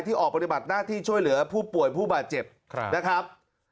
ออกปฏิบัติหน้าที่ช่วยเหลือผู้ป่วยผู้บาดเจ็บนะครับ